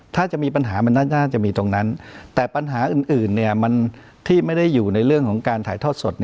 ถ้าจะมีปัญหามันน่าจะมีตรงนั้นแต่ปัญหาอื่นที่ไม่ได้อยู่ในเรื่องของการถ่ายทอดสด